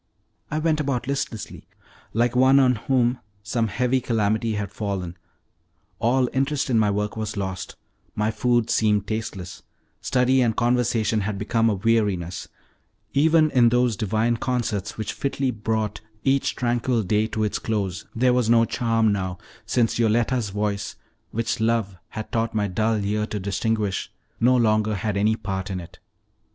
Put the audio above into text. I went about listlessly, like one on whom some heavy calamity has fallen: all interest in my work was lost; my food seemed tasteless; study and conversation had become a weariness; even in those divine concerts, which fitly brought each tranquil day to its close, there was no charm now, since Yoletta's voice, which love had taught my dull ear to distinguish no longer had any part in it.